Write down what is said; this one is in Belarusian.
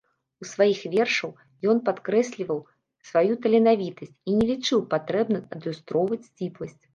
У сваіх вершаў ён падкрэсліваў сваю таленавітасць і не лічыў патрэбным адлюстроўваць сціпласць.